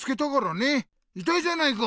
いたいじゃないか！